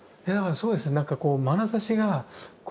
そうですね。